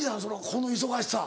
この忙しさ。